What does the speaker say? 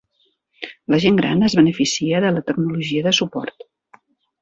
La gent gran es beneficia de la tecnologia de suport.